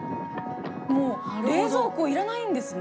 もう冷蔵庫いらないんですね。